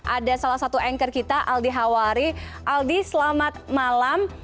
ada salah satu anchor kita aldi hawari aldi selamat malam